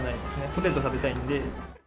ポテト食べたいんで。